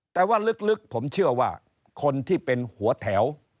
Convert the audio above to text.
แต่ว่าลึกผมเชื่อว่าคนที่เป็นหัวแถว